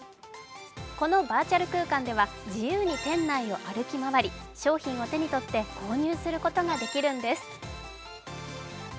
このバーチャル空間では自由に店内を歩き回り商品を手に取って購入することができるんです。